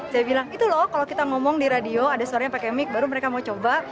saya bilang itu loh kalau kita ngomong di radio ada suaranya pakai mik baru mereka mau coba